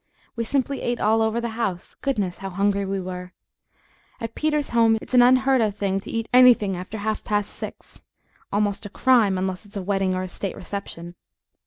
We simply ate all over the house goodness! how hungry we were! At Peter's home it's an unheard of thing to eat anything after half past six almost a crime, unless it's a wedding or state reception.